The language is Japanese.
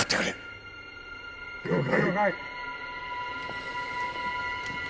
了解。